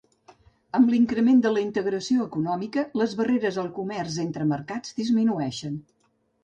Amb l'increment de la integració econòmica, les barreres al comerç entre mercats disminueixen.